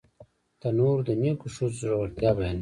تنور د نیکو ښځو زړورتیا بیانوي